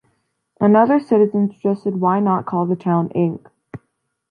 Another citizen suggested why not call the town Ink?